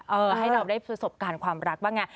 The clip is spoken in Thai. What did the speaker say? ให้เราได้ประสบการณ์ความรักบ้างไง